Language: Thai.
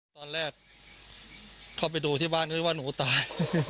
ตอนแรกเข้าไปดูที่บ้านซิว่าหนูตาย